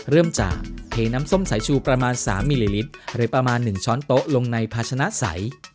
เริ่มจากเทน้ำส้มสายชูประมาณ๓มิลลิลิตรหรือประมาณ๑ช้อนโต๊ะลงในภาชนะใส